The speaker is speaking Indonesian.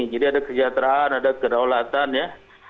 jadi ada kejahteraan ada kedaulatan ya